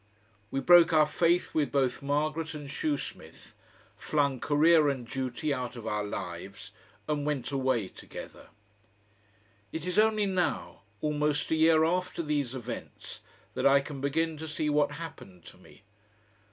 We broke our faith with both Margaret and Shoesmith, flung career and duty out of our lives, and went away together. It is only now, almost a year after these events, that I can begin to see what happened to me.